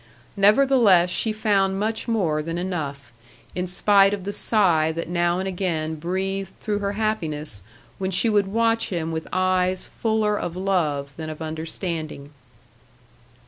Nevertheless she found much more than enough, in spite of the sigh that now and again breathed through her happiness when she would watch him with eyes fuller of love than of understanding.